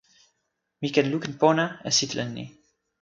mi ken lukin pona e sitelen ni.